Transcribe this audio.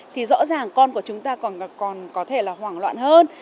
thì rõ ràng con của chúng ta còn có thể là hoảng loạn hơn